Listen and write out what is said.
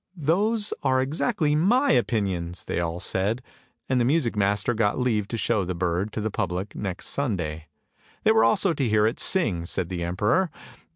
" THE NIGHTINGALE 133 " Those are exactly my opinions," they all said, and the music master got leave to show the bird to the public next Sunday. They were also to hear it sing, said the emperor.